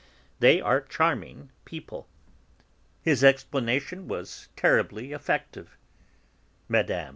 They are charming people." His explanation was terribly effective; Mme.